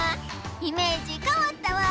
イメージかわったわ。